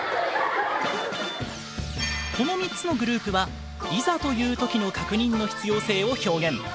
この３つのグループはいざというときの確認の必要性を表現。